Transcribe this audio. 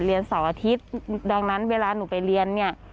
เสาร์อาทิตย์ดังนั้นเวลาหนูไปเรียนเนี่ย